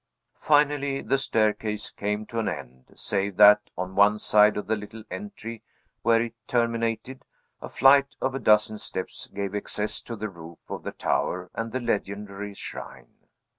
Finally, the staircase came to an end; save that, on one side of the little entry where it terminated, a flight of a dozen steps gave access to the roof of the tower and the legendary shrine.